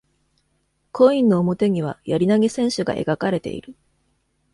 コインの表には槍投げ選手が描かれている。